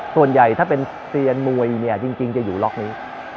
ส่วนใหญ่ถ้าเป็นเซียนมวยเนี่ยจริงจะอยู่ล็อกนี้